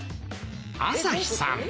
朝日さん。